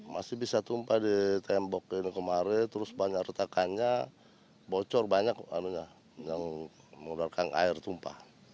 masih bisa tumpah di tembok yang kemarin terus banyak retakannya bocor banyak yang mengeluarkan air tumpah